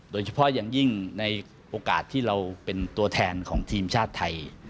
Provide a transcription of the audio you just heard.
โดยเฉพาะอย่างยิ่งในโอกาสที่เราเป็นตัวแทนของทีมชาติไทย